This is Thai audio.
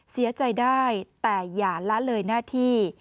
เสียใจได้แต่อย่าละเลยหน้าที่